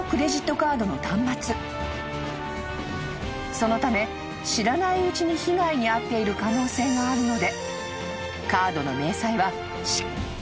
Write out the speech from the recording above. ［そのため知らないうちに被害に遭っている可能性があるので］